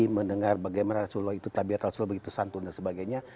mendengar bagaimana rasulullah itu tabir rasulullah begitu santun dan sebagainya